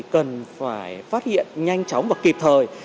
gần phải phát hiện nhanh chóng và kịp thời